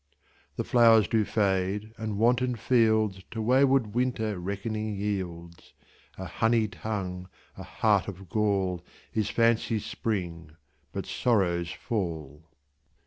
The flowers do fade, and wanton fieldsTo wayward Winter reckoning yields:A honey tongue, a heart of gall, Is fancy's spring, but sorrow's fall.